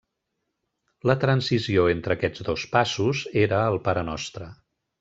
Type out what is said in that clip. La transició entre aquests dos passos era el Parenostre.